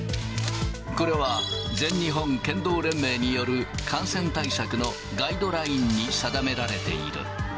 これは、全日本剣道連盟による感染対策のガイドラインに定められている。